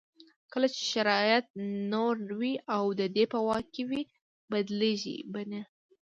کله چې شرایط نور وي او دی په واک کې وي بدلېږي به نه.